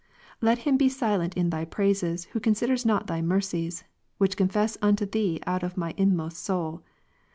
Let him be silent in Thy praises, who considers not Thy mercies, which confess unto Thee out of my inmost soul.